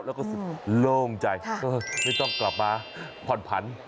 แล้วก็รู้สึกโล่งใจไม่ต้องกลับมาผ่อนผัน